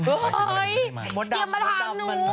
โอ๊ยหยิบออกมาถามหนู